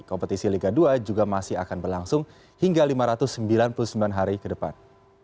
kompetisi liga dua juga masih akan berlangsung hingga lima ratus sembilan puluh sembilan hari ke depan